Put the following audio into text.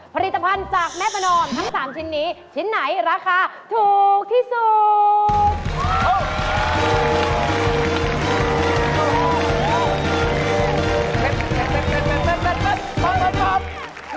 ผลิตภัณฑ์จากแม่ประนอมทั้ง๓ชิ้นนี้ชิ้นไหนราคาถูกที่สุด